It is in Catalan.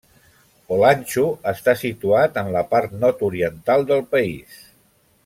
Olancho està situat en la part nord-oriental del país.